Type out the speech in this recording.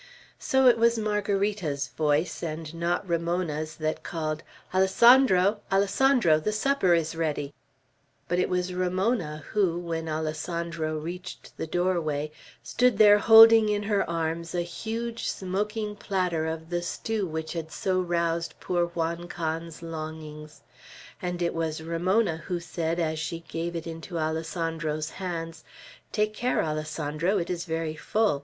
So it was Margarita's voice, and not Ramona's, that called "Alessandro! Alessandro! the supper is ready." But it was Ramona who, when Alessandro reached the doorway, stood there holding in her arms a huge smoking platter of the stew which had so roused poor Juan Can's longings; and it was Ramona who said, as she gave it into Alessandro's hands, "Take care, Alessandro, it is very full.